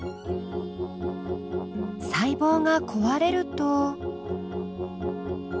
細胞が壊れると。